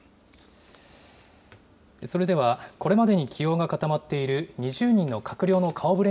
それではこれまでに起用が固まっている２０人の閣僚の顔ぶれ